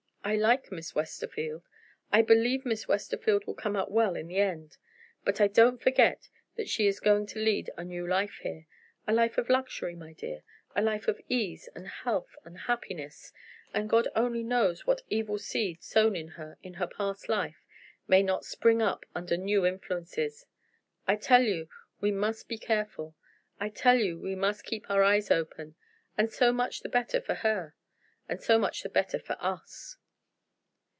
I like Miss Westerfield; I believe Miss Westerfield will come out well in the end. But I don't forget that she is going to lead a new life here a life of luxury, my dear; a life of ease and health and happiness and God only knows what evil seed sown in her, in her past life, may not spring up under new influences. I tell you we must be careful; I tell you we must keep our eyes open. And so much the better for Her. And so much the better for Us."